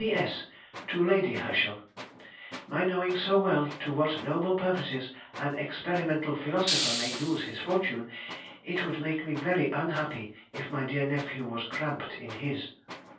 P.S.—[To Lady Herschel].... My knowing so well to what noble purposes an experimental philosopher may use his fortune, it would make me very unhappy if my dear nephew was cramped in his.